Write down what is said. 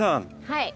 はい。